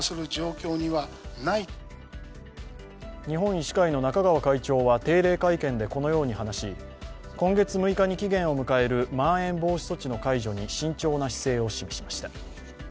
日本医師会の中川会長は定例会見でこのように話し、今月６日に期限を迎えるまん延防止措置の解除に慎重な姿勢を示しました。